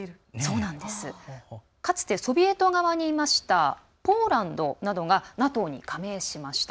かつて、ソビエト側にいましたポーランドなどがＮＡＴＯに加盟しました。